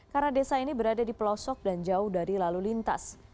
karena desa ini berada di pelosok dan jauh dari lalu lintas